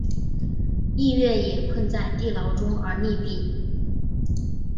逸悦也困在地牢中而溺毙。